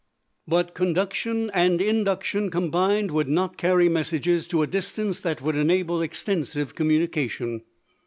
But conduction and induction combined would not carry messages to a distance that would enable extensive communication.